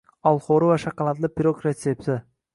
Olxo‘ri va shokoladli pirog retsepti